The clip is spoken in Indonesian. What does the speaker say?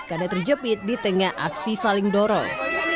karena terjepit di tengah aksi saling dorong